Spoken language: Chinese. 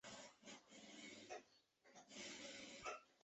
网络战役中的文明和地图模式和个人单机版是通用的。